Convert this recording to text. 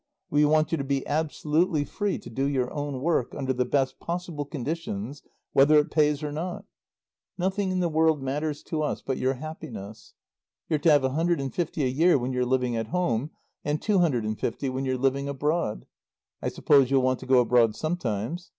We want you to be absolutely free to do your own work, under the best possible conditions, whether it pays or not. Nothing in the world matters to us but your happiness. You're to have a hundred and fifty a year when you're living at home and two hundred and fifty when you're living abroad. I suppose you'll want to go abroad sometimes.